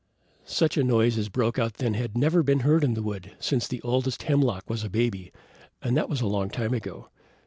Such a noise as broke out then had never been heard in the wood since the oldest hemlock was a baby, and that was a long time ago.